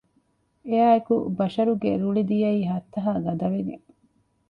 އެއާއެކު ބަޝަރުގެ ރުޅި ދިޔައީ ހައްތަހާ ގަދަވެގެން